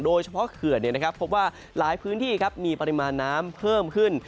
โดยเฉพาะเขื่อนเนี่ยนะครับพบว่าหลายพื้นที่ครับมีปริมาณน้ำเพิ่มขึ้น